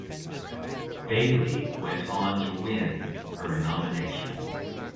Bailey went on to win her nomination.